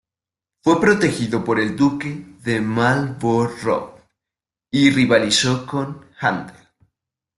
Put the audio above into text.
Fue protegido por el duque de Marlborough y rivalizó con Händel.